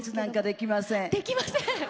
できません⁉